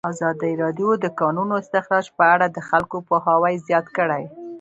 ازادي راډیو د د کانونو استخراج په اړه د خلکو پوهاوی زیات کړی.